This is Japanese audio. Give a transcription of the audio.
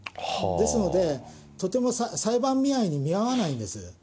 ですので、とても裁判に見合わないんです。